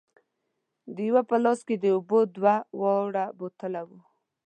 د یوه په لاس کې د اوبو دوه واړه بوتلونه وو.